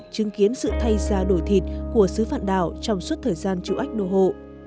chứng kiến sự thay ra đổi thịt của sứ phạm đảo trong suốt thời gian trụ ách đô hộ